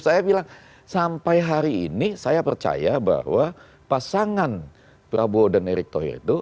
saya bilang sampai hari ini saya percaya bahwa pasangan prabowo dan erick thohir itu